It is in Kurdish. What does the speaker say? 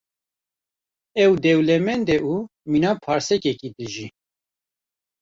Ew dewlemend e û mîna parsekekî dijî.